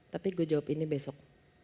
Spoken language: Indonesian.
tapi gue jawab ini besok